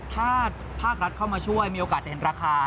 ถ้าภาครัฐเข้ามาช่วยมีโอกาสจะเห็นราคา